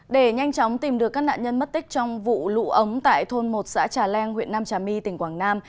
để nhanh chóng tìm được các nạn nhân mất tích trong vụ lũ ống tại thôn một xã trà leng huyện nam trà my tỉnh quảng nam